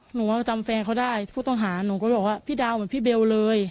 หนูว่าจำแฟนเขาได้ผู้ต้องหาหนูก็บอกว่าพี่ดาวเหมือนพี่เบลเลย